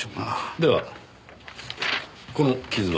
ではこの傷は。